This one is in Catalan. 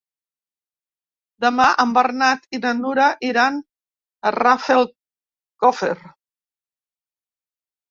Demà en Bernat i na Nura iran a Rafelcofer.